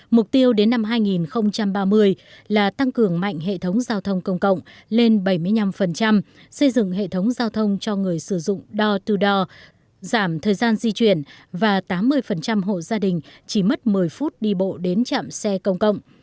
mục tiêu đến năm hai nghìn ba mươi là tăng cường mạnh hệ thống giao thông công cộng lên bảy mươi năm xây dựng hệ thống giao thông cho người sử dụng door todo giảm thời gian di chuyển và tám mươi hộ gia đình chỉ mất một mươi phút đi bộ đến trạm xe công cộng